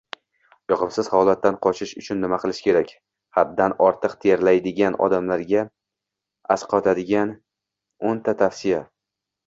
Yoqimsiz holatdan qochish uchun nima qilish kerak? Haddan ortiq terlaydigan odamlarga asqatadigano´ntavsiya